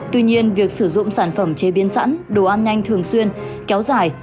tuy nhiên việc sử dụng sản phẩm chế biến sẵn đồ ăn nhanh thường xuyên kéo dài